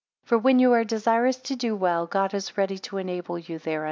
For when you are desirous to do well, God is ready to enable you there.